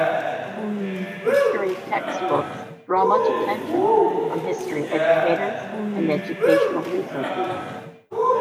History textbooks draw much attention from history educators and educational researchers.